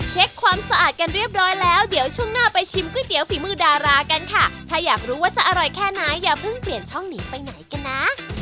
ความสะอาดกันเรียบร้อยแล้วเดี๋ยวช่วงหน้าไปชิมก๋วยเตี๋ยวฝีมือดารากันค่ะถ้าอยากรู้ว่าจะอร่อยแค่ไหนอย่าเพิ่งเปลี่ยนช่องหนีไปไหนกันนะ